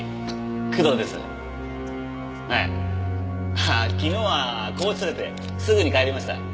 ああ昨日は拘置所を出てすぐに帰りました。